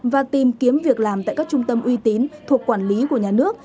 và tìm kiếm việc làm tại các trung tâm uy tín thuộc quản lý của nhà nước